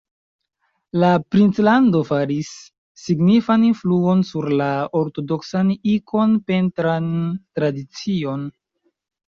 La princlando faris signifan influon sur la ortodoksan ikon-pentran tradicion.